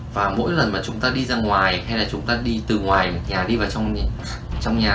và mỗi lần mà chúng ta đi ra ngoài hay là chúng ta đi từ ngoài nhà đi vào trong nhà